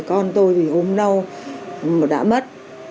con tôi bị ốm đau đã mất